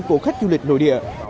của khách du lịch nội địa